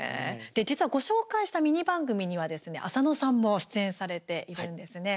実はご紹介したミニ番組にはですね、浅野さんも出演されているんですね。